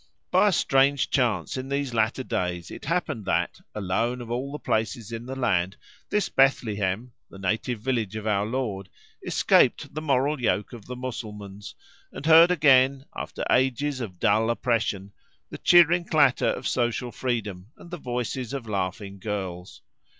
By a strange chance in these latter days it happened that, alone of all the places in the land, this Bethlehem, the native village of our Lord, escaped the moral yoke of the Mussulmans, and heard again, after ages of dull oppression, the cheering clatter of social freedom, and the voices of laughing girls.